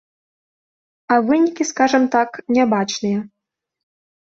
А вынікі, скажам так, нябачныя.